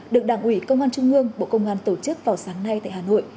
được đảng ủy công an trung ương bộ công an tổ chức vào sáng nay tại hà nội